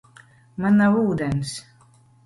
Man nav ūdens.